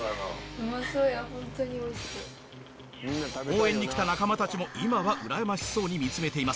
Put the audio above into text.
応援に来た仲間たちも今はうらやましそうに見つめています。